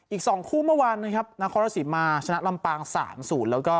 อีกสองคู่เมื่อวันนะครับลางมาชนะสามแล้วก็